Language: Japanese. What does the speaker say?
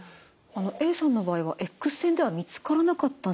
Ａさんの場合はエックス線では見つからなかったんですよね。